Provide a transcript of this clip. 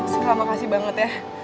sila makasih banget ya